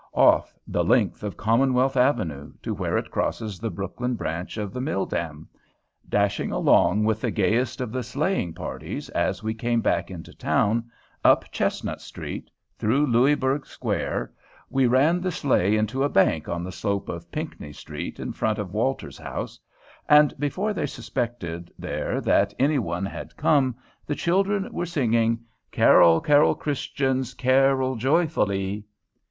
Off, the length of Commonwealth Avenue, to where it crosses the Brookline branch of the Mill Dam, dashing along with the gayest of the sleighing parties as we came back into town, up Chestnut Street, through Louisburg Square, we ran the sleigh into a bank on the slope of Pinckney Street in front of Walter's house, and, before they suspected there that any one had come, the children were singing "Carol, carol, Christians, Carol joyfully."